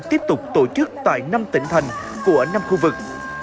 tiếp tục tổ chức tại năm tỉnh thành của năm khu vực